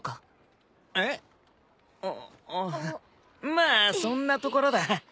まあそんなところだ。